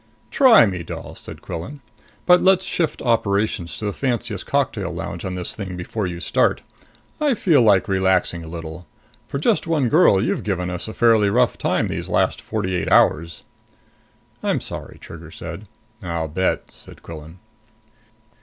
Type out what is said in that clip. "Try me, doll," said Quillan. "But let's shift operations to the fanciest cocktail lounge on this thing before you start. I feel like relaxing a little. For just one girl, you've given us a fairly rough time these last forty eight hours!" "I'm sorry," Trigger said. "I'll bet," said Quillan.